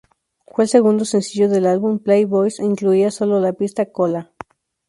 Fue el segundo sencillo del álbum Playboys e incluía sólo la pista "Kola".